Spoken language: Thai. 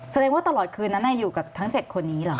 แสดงว่าตลอดคืนนั้นอยู่กับทั้ง๗คนนี้เหรอ